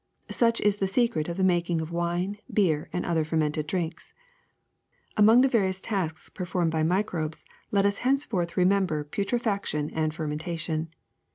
Such is the secret of the making of wine, beer, and other fermented drinks. *^ Among the various tasks performed by microbes let us henceforth remember putrefaction and fer mentation.